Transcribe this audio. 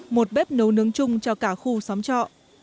một bếp nấu nướng chung cho cả khu xóm trọ